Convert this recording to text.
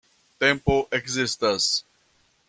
Tempo ekzistas!